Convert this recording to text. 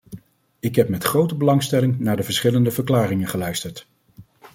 Ik heb met grote belangstelling naar de verschillende verklaringen geluisterd.